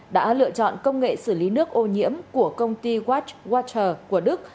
đã lựa chọn công nghệ xử lý nước ô nhiễm của công ty watt water của đức